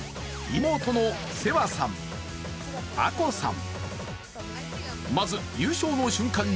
妹の世和さん、亜子さん。